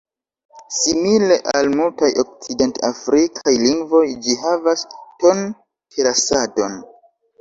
Simile al multaj Okcident-Afrikaj lingvoj, ĝi havas ton-terasadon.